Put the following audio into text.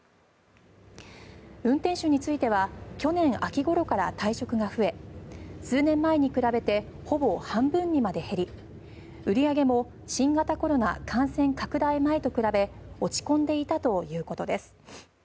運転手については去年秋ごろから退職が増え数年前に比べてほぼ半分にまで減り売り上げも新型コロナ感染拡大前と比べ落ち込んでいたということです。